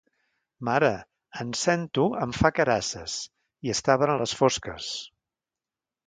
Mare, en Cento em fa carasses. I estaven a les fosques.